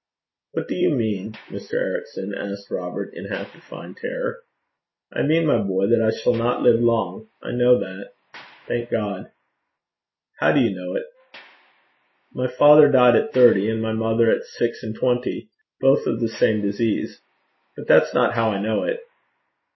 'What do you mean, Mr. Ericson?' asked Robert, in half defined terror. 'I mean, my boy, that I shall not live long. I know that thank God!' 'How do you know it?' 'My father died at thirty, and my mother at six and twenty, both of the same disease. But that's not how I know it.'